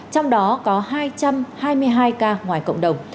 trong đó có hai trăm hai mươi hai ca ngoài cộng đồng